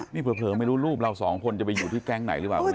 นี่เผลอไม่รู้รูปเราสองคนจะไปอยู่ที่แก๊งไหนหรือเปล่า